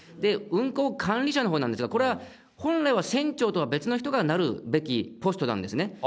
運航管理者のほうなんですが、これは本来は船長とは別の人がなるべきポストなんですね。